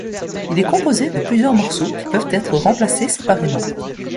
Il est composé de plusieurs morceaux qui peuvent être remplacés séparément.